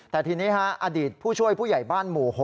แต่ทีนี้อดีตผู้ช่วยผู้ใหญ่บ้านหมู่๖